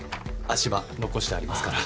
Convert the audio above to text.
足場残してありますから。